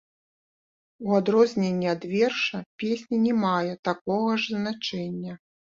У адрозненні ад верша, песня не мае такога ж значэння.